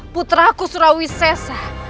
putra aku surawi sesa